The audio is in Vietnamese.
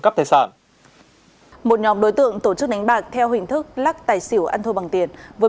cấp tài sản một nhóm đối tượng tổ chức đánh bạc theo hình thức lắc tài xỉu ăn thua bằng tiền với